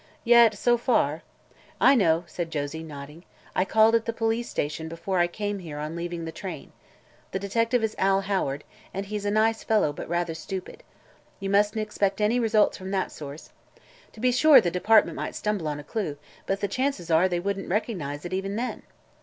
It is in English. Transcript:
Yet, so far " "I know," said Josie, nodding. "I called at the police station before I came here, on leaving the train. The detective is Al Howard, and he's a nice fellow but rather stupid. You mustn't expect any results from that source. To be sure, the department might stumble on a clew, but the chances are they wouldn't recognize it, even then."